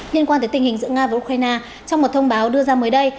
liên quan tới tình hình giữa nga và ukraine trong một thông báo đưa ra mới đây